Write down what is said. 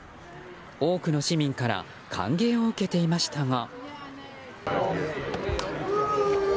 多くの市民から歓迎を受けていましたが。